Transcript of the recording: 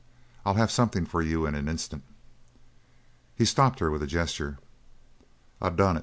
I'll have something for you in an instant." He stopped her with a gesture. "I done it!"